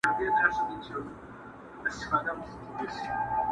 • مسافر ته سوه پیدا په زړه کي تمه..